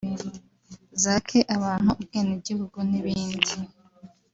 zake abantu ubwenegihugu n’ibindi